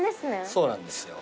そうなんですよ。